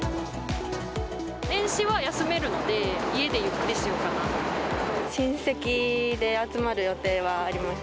年始は休めるので、家でゆっくりしようかなと思ってます。